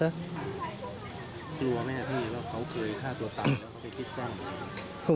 กลัวไม่ค่ะพี่เขาเคยฆ่าตัวตายแล้วเขาจะคิดแส้ง